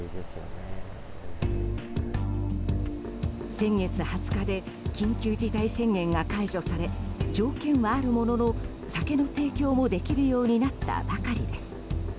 先月２０日で緊急事態宣言が解除され条件はあるものの酒の提供もできるようになったばかりです。